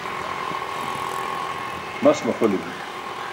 Mas maxolimi.